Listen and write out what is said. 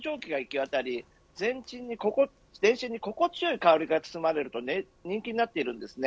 渡り全身に心地よい香りが包まれると人気になっているんですね。